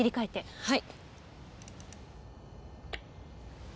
はい。